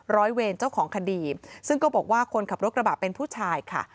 ร้อยเวรเจ้าของคดีซึ่งก็บอกว่าคนขับรถกระบะเป็นผู้ชายค่ะ